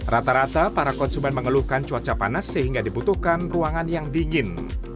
rata rata para konsumen mengeluhkan cuaca panas sehingga dibutuhkan ruangan yang dingin